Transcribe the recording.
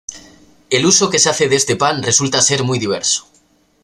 El uso que se hace de este pan resulta ser muy diverso.